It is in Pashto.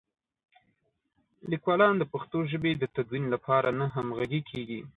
لیکوالان د پښتو ژبې د تدوین لپاره نه همغږي کېږي.